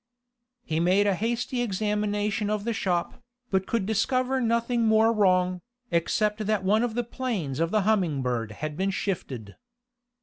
He made a hasty examination of the shop, but could discover nothing more wrong, except that one of the planes of the Humming Bird had been shifted.